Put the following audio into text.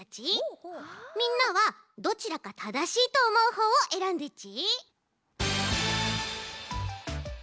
みんなはどちらかただしいとおもうほうをえらんでち。